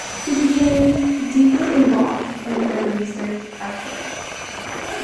He became "deeply involved" in their research efforts.